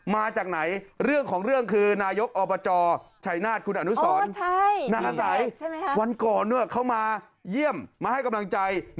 มาจากไหนเรื่องของเรื่องคือนายกอบจชัยนาศคุณอนุสรอ๋อใช่